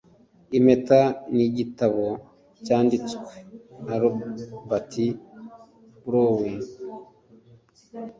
impeta n'igitabo cyanditswe na robert browning